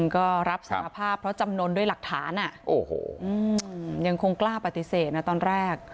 ก็รับสารภาพเพราะจำนวนด้วยหลักฐานยังคงกล้าปฏิเสธนะตอนแรก